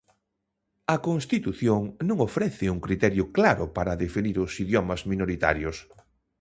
A Constitución non ofrece un criterio claro para definir os idiomas minoritarios.